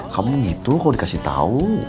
kamu gitu kok dikasih tau